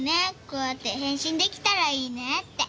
こうやって変身出来たらいいねって。